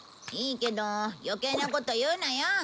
いいけど余計なこと言うなよ！